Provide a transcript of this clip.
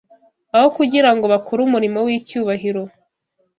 Aho kugira ngo bakore umurimo w’icyubahiro